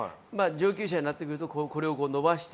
上級者になってくるとこれをこう伸ばして。